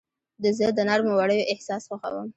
زه د نرمو وړیو احساس خوښوم.